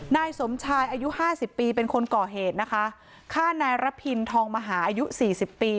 นายสมชายอายุห้าสิบปีเป็นคนก่อเหตุนะคะฆ่านายระพินทองมหาอายุสี่สิบปี